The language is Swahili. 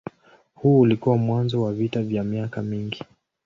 Huu ulikuwa mwanzo wa vita vya miaka mingi.